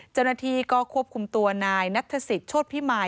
เจ้าหน้าที่ก็ควบคุมตัวนายนัทศิษยโชธพิมาย